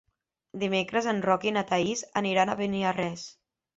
Dimecres en Roc i na Thaís aniran a Beniarrés.